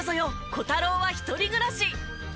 コタローは１人暮らし』。